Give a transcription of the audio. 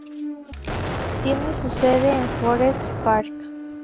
Tiene su sede en Forest Park.